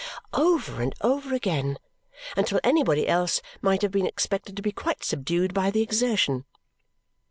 over and over again, until anybody else might have been expected to be quite subdued by the exertion.